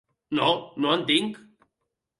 No, no en tinc.